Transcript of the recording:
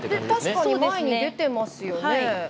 確かに前に出てますよね。